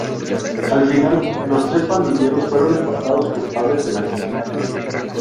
Al final los tres pandilleros fueron encontrados culpables del asesinato.